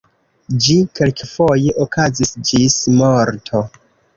Ĝi kelkfoje okazis ĝis morto.